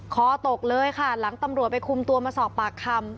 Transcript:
คอตกเลยค่ะหลังตำรวจไปคุมตัวมาสอบปากคำ